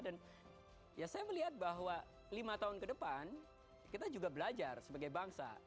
ya saya melihat bahwa lima tahun ke depan kita juga belajar sebagai bangsa